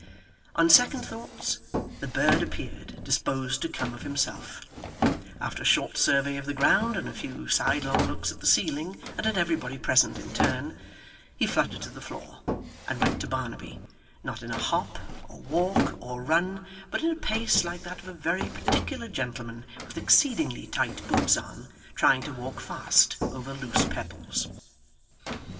On second thoughts, the bird appeared disposed to come of himself. After a short survey of the ground, and a few sidelong looks at the ceiling and at everybody present in turn, he fluttered to the floor, and went to Barnaby not in a hop, or walk, or run, but in a pace like that of a very particular gentleman with exceedingly tight boots on, trying to walk fast over loose pebbles.